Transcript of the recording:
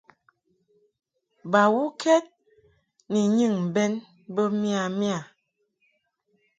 Bawuked ni nyɨŋ bɛn bə miya miya.